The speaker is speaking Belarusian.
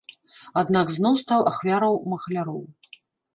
Аднак зноў стаў ахвяраў махляроў.